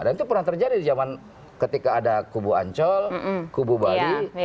dan itu pernah terjadi di zaman ketika ada kubu ancol kubu bali